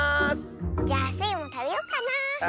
じゃあスイもたべようかなあ。